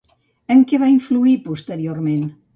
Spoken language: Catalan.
En què va influir posteriorment?